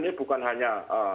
ini bukan hanya